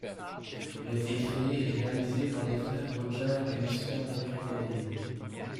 Il a été créé et réalisé par les frères Roger et Lucien Wercollier.